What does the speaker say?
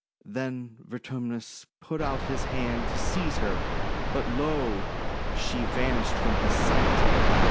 Then Vertumnus put out his hand to seize her, but, lo! she vanished from his sight!